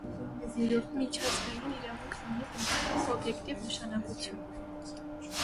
Միջազգային իրավունքն ունի բնական օբյեկտիվ նշանակություն։